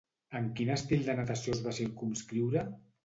En quin estil de natació es va circumscriure?